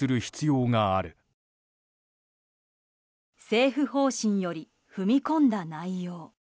政府方針より踏み込んだ内容。